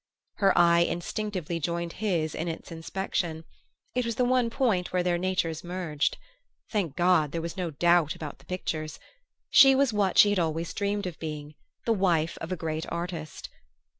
Her eye instinctively joined his in its inspection; it was the one point where their natures merged. Thank God, there, was no doubt about the pictures! She was what she had always dreamed of being the wife of a great artist.